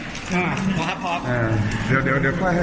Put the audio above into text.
อ่าพอครับพอครับอ่าเดี๋ยวเดี๋ยวเดี๋ยวค่อยให้ข่าว